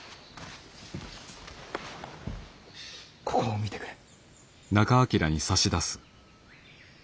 ここを見てくれ。